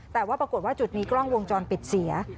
แต่ว่าปรากฏว่าจุดนี้กล้องวงจรปิดเสีย